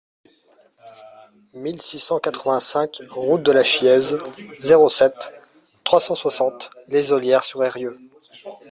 mille six cent quatre-vingt-cinq route de la Chiéze, zéro sept, trois cent soixante, Les Ollières-sur-Eyrieux